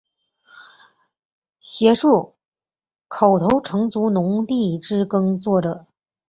协助口头承租农地之耕作者